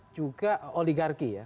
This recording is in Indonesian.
juga oligarki ya